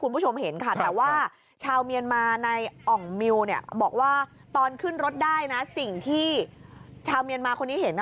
บอกว่าตอนขึ้นรถได้นะสิ่งที่ชาวเมียนมาคนนี้เห็น